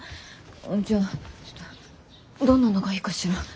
じゃあどんなのがいいかしら。